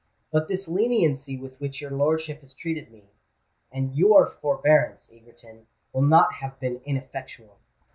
But this leniency with which your lordship has treated me—and your forbearance, Egerton—will not have been ineffectual.